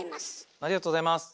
ありがとうございます。